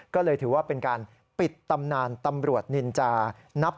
ก็เลยถือว่าเป็นการปิดตำนานตำรวจนินจานับ